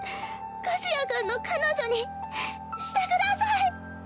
和也君の彼女にしてください！